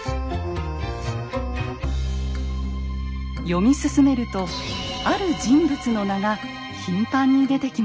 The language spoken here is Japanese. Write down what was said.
読み進めるとある人物の名が頻繁に出てきました。